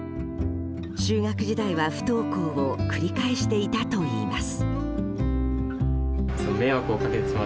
中学時代は不登校を繰り返していたといいます。